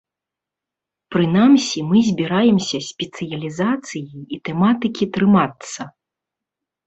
Прынамсі мы збіраемся спецыялізацыі і тэматыкі трымацца.